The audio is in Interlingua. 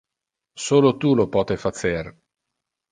Solo tu lo pote facer.